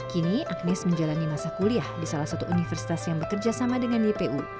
kini agnes menjalani masa kuliah di salah satu universitas yang bekerja sama dengan ypu